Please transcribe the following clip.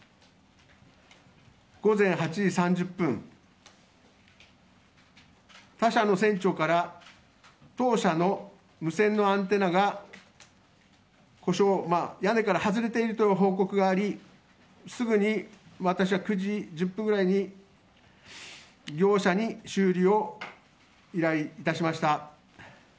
午前８時３０分、他社の船長から当社の無線のアンテナが故障、屋根から外れているという報告がありすぐに私は９時１０分ぐらいに業者に修理を依頼致しました。